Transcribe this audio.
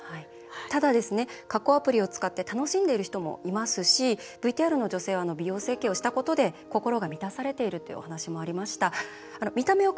ただ、加工アプリを使って楽しんでいる人もいますしＶＴＲの女性は美容整形をしたことで心が満たされているというお話もありました。